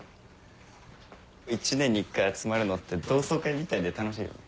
一年に１回集まるのって同窓会みたいで楽しいよね。